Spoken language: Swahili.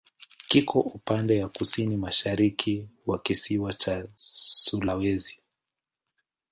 Kiko upande wa kusini-mashariki wa kisiwa cha Sulawesi.